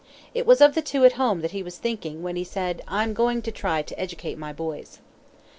It was of the two at home that he was thinking when he said, "I am going to try to educate my boys."